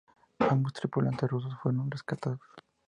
Ambos tripulantes rusos fueron rescatados.